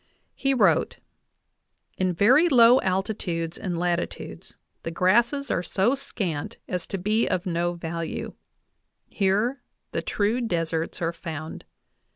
He wrote: "In very low altitudes and latitudes the grasses are so scant as to be of no value ; here the true deserts are found.